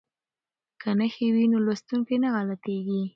که نښې وي نو لوستونکی نه غلطیږي.